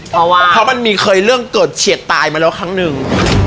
เพราะมันมีเคยเรื่องเกิดเกิดเฉียดตายมาแล้วครั้งนึง